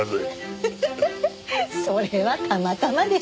フフフフフそれはたまたまでしょ。